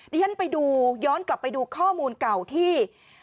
เรียนไปดูย้อนกลับไปดูข้อมูลเก่าที่